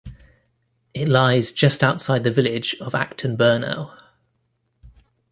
It lies just outside the village of Acton Burnell.